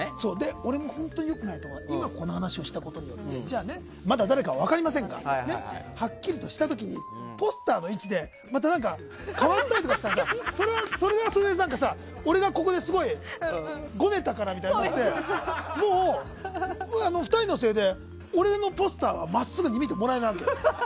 俺も本当に良くないんだけど今この話をしたことによってじゃあ、まだ誰か分かりませんがはっきりとした時にポスターの位置でまた変わったりしたらそれはそれで俺がここですごいゴネたからみたいになってもう、２人のせいで俺のポスターが真っすぐに見てもらえないわけ。